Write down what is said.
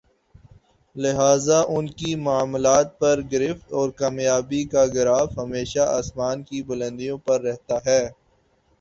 لہذا انکی معاملات پر گرفت اور کامیابی کا گراف ہمیشہ آسمان کی بلندیوں پر رہتا ہے